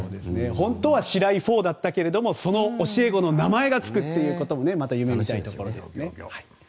本当はシライ４だったけどもその教え子の名前がつくっていうことも夢見たいところですね。